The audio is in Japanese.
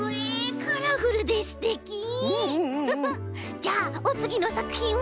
じゃあおつぎのさくひんは？